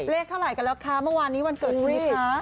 เลขเท่าไรกันนะคะเมื่อวานนี้วันเกิดพี่คะ